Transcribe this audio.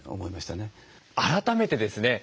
改めてですね